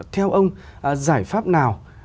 theo ông giải pháp nào